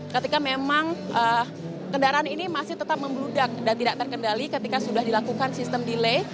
ketika memang kendaraan ini masih tetap membeludak dan tidak terkendali ketika sudah dilakukan sistem delay